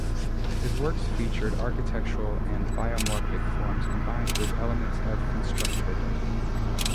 His works featured architectural and biomorphic forms combined with elements of constructivism.